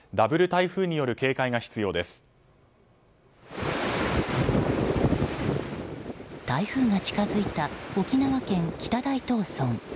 台風が近づいた沖縄県北大東村。